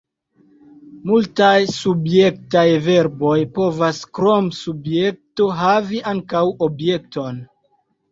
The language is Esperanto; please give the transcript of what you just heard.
Multaj subjektaj verboj povas krom subjekto havi ankaŭ objekton.